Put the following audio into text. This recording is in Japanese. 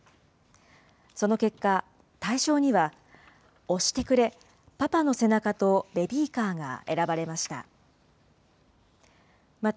その結果、大賞には、押してくれパパの背中とベビーカーが選ばれました。